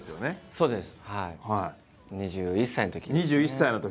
そうです。